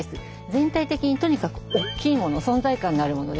全体的にとにかく大きいもの存在感のあるものですね。